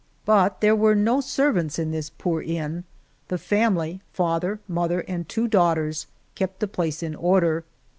But there were no servants in this poor inn. The family — father, mother, and two daughters — kept the place in order.